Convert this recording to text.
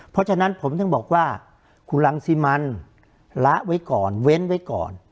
เพราะฉะนั้นผมถึงบอกว่าคุณรังสิมันละไว้ก่อนเว้นไว้ก่อน